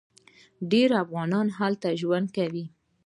ډیر افغانان هلته ژوند کوي.